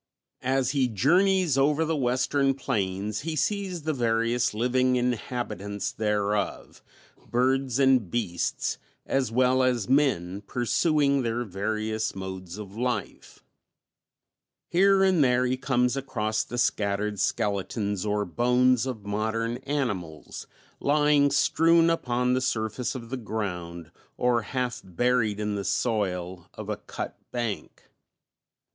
As he journeys over the western plains he sees the various living inhabitants thereof, birds and beasts, as well as men, pursuing their various modes of life; here and there he comes across the scattered skeletons or bones of modern animals lying strewn upon the surface of the ground or half buried in the soil of a cut bank.